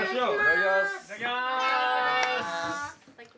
いただきます